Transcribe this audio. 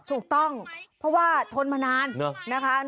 ถูกต้องเพราะว่าทนมานานนะคะ